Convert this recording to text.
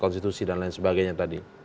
konstitusi dan lain sebagainya tadi